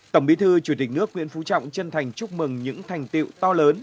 tổng bí thư chủ tịch nước nguyễn phú trọng chân thành chúc mừng những thành tiệu to lớn